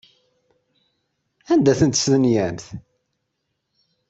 Anda ay tent-testenyamt?